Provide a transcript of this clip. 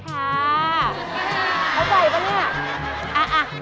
เข้าใจป่ะเนี่ย